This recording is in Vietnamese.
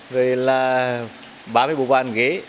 rồi là ba mươi bộ ban ghế